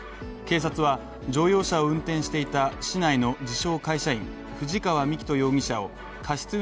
警察は乗用車を運転していた市内の自称・会社員藤川幹人容疑者を過失